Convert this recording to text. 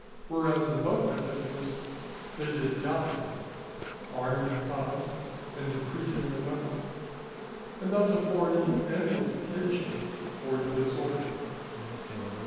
Whereas, in both particulars, they did the opposite, arming the commons and increasing their number, and thus affording endless occasions for disorder.